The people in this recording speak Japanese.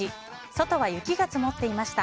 外は雪が積もっていました。